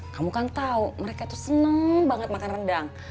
kamu kan tahu mereka tuh seneng banget makan rendang